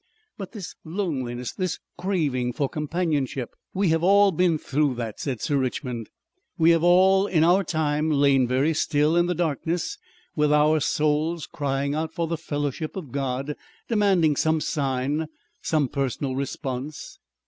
"But this loneliness, this craving for companionship...." "We have all been through that," said Sir Richmond. "We have all in our time lain very still in the darkness with our souls crying out for the fellowship of God, demanding some sign, some personal response.